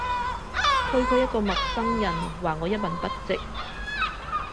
區區一個陌生人話我一文不值